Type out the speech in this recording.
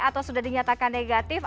atau sudah dinyatakan negatif